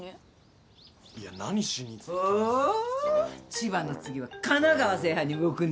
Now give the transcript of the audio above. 千葉の次は神奈川制覇に動くんだな。